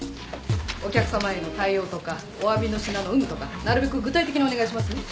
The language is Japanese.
お客さまへの対応とかおわびの品の有無とかなるべく具体的にお願いしますね。